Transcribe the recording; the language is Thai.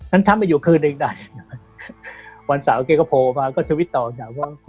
นั้นทำไปอยู่คืนหนึ่งวันสามเขาก็โพลมาก็ทวิตต่อว่า